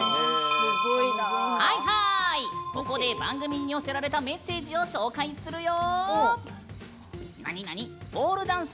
ここで番組に寄せられたメッセージを紹介するよ。